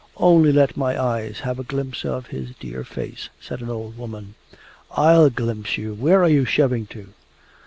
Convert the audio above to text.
Only let my eyes have a glimpse of his dear face!' said an old woman. 'I'll glimpse you! Where are you shoving to?